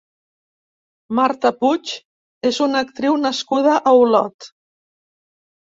Marta Puig és una actriu nascuda a Olot.